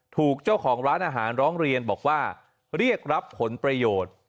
ถูกเจ้าของร้านอาหารร้องเรียนบอกว่าเรียกรับผลประโยชน์